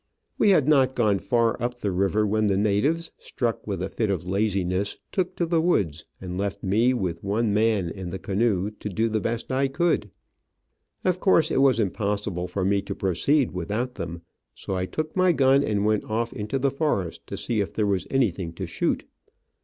We had not gone far up the river when the natives, struck with a fit of laziness, took to the woods, and left me with one man in the canoe to do the best I could. Of course, it was impos sible for me to proceed without them, so I took my gun and went off into the forest to see if there was anything to shoot.